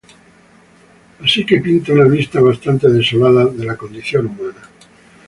Así que pinta una vista bastante desolada de la condición humana.